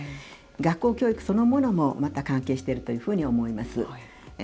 学校教育そのものもまた関係しているというふうに思います。